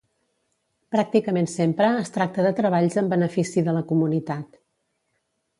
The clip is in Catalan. Pràcticament sempre es tracta de treballs en benefici de la comunitat.